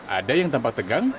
ada yang tampak tegang